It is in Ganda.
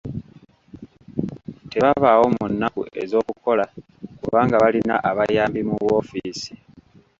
Tebabaawo mu nnaku ez'okukola kubanga balina abayambi mu woofiisi.